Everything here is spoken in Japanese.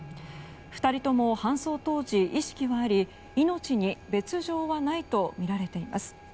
２人とも搬送当時意識はあり命に別条はないとみられています。